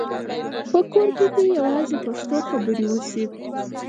په کور کې دې یوازې پښتو خبرې وشي.